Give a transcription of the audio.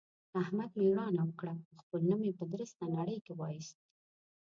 احمد مېړانه وکړه او خپل نوم يې په درسته نړۍ کې واېست.